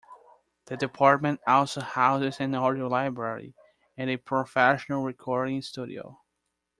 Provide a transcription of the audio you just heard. The department also houses an audio library and a professional recording studio.